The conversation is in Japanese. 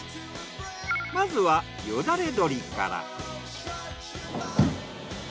まずはよだれ鶏から。